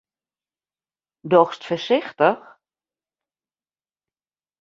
Dochst foarsichtich?